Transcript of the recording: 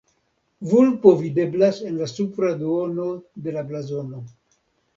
Vulpo videblas en la supra duono de la blazono.